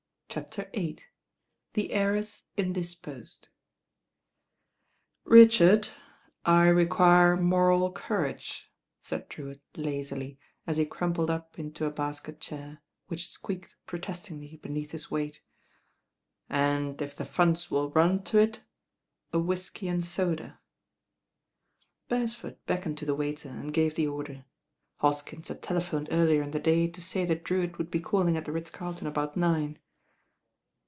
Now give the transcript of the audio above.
CHAPTER VIII THE HEIRESS INDISPOSED RICHARD, I require moral courage," said Drewitt, lazily, as he crumpled up into a basket chair, which squeaked protcstingly beneath his weight, "and if the funds will run to it, a whisky and soda." Beresford beckoned to the waiter and gave the or der. Hoskins had telephoned earlier in the day to say that Drewitt would be calling at the Ritz Carlton about nine.